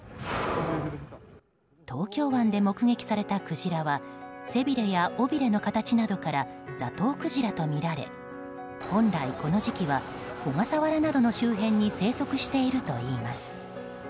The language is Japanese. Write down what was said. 東京湾で目撃されたクジラは背びれや尾びれの形などからザトウクジラとみられ本来、この時期は小笠原などの周辺に生息しているといいます。